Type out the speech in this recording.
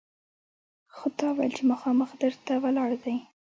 خو تا ویل چې مخامخ در ته ولاړ دی!